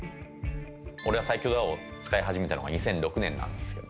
オレは最強だ！を使い始めたのが２００６年なんですけど。